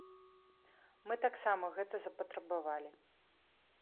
Мы таксама гэта запатрабавалі.